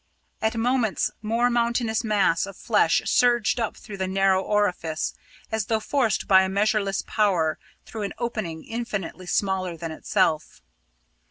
At moments some mountainous mass of flesh surged up through the narrow orifice, as though forced by a measureless power through an opening infinitely smaller than itself.